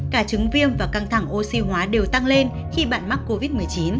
cả chứng viêm và căng thẳng oxy hóa đều tăng lên khi bạn mắc covid một mươi chín